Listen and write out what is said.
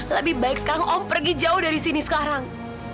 lebih baik sekarang om pergi jauh dari sini sekarang